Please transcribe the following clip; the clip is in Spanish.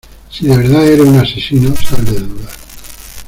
si de verdad eres un asesino, sal de dudas.